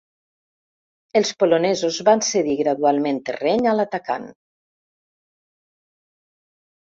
Els polonesos van cedir gradualment terreny a l'atacant.